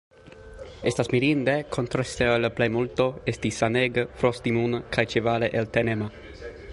Estas mirinde, kontraste al la plejmulto, esti sanega, frost-imuna kaj ĉevale eltenema.